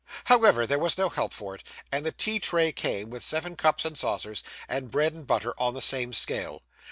However, there was no help for it, and the tea tray came, with seven cups and saucers, and bread and butter on the same scale.